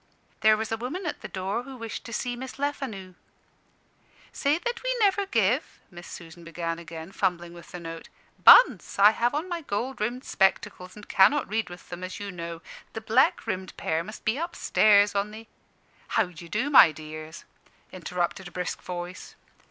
"There was a woman at the door who wished to see Miss Lefanu." "Say that we never give " Miss Susan began again, fumbling with the note. "Bunce, I have on my gold rimmed spectacles, and cannot read with them, as you know. The black rimmed pair must be up stairs, on the " "How d'ye do, my dears?" interrupted a brisk voice.